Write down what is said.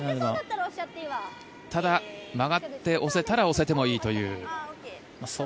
ただ、曲がって押せたら押してもいいという。